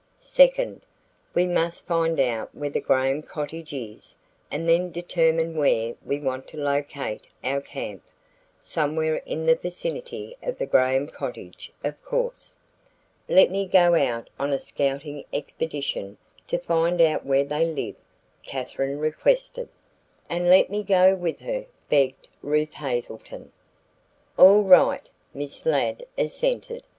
"Second, we must find out where the Graham cottage is and then determine where we want to locate our camp somewhere in the vicinity of the Graham cottage, of course." "Let me go out on a scouting expedition to find out where they live," Katherine requested. "And let me go with her," begged Ruth Hazelton. "All right," Miss Ladd assented.